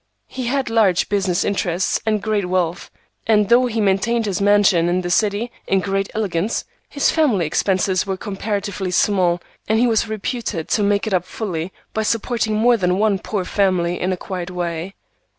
He had large business interests and great wealth, and though he maintained his mansion in the city in great elegance, his family expenses were comparatively small, and he was reputed to make it up fully by supporting more than one poor family in a quiet way.